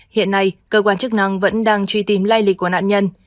hiện nay cơ quan chức năng vẫn đang truy tìm lai lịch của nạn nhân